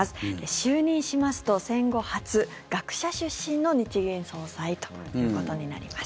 就任しますと戦後初、学者出身の日銀総裁ということになります。